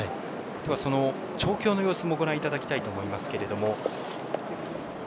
その調教の様子もご覧いただきたいと思います。